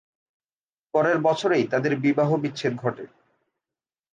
পরের বছরেই তাদের বিবাহবিচ্ছেদ ঘটে।